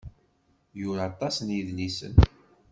Yura aṭas n yedlisen.